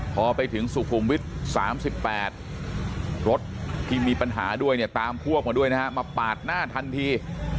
พอไปถึงสุขุมวิทย์๓๘รถที่มีปัญหาด้วยเนี่ยตามพวกมาด้วยนะฮะมาปาดหน้าทันที